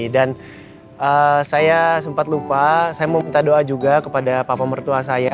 dan saya sempat lupa saya mau minta doa juga kepada papa mertua saya